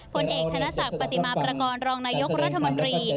ผลเอกธนศักดิ์ปฏิมาประกอบรองนายกรัฐมนตรี